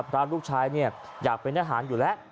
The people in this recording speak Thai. พระลูกชายเนี่ยอยากเป็นอาหารอยู่แล้ว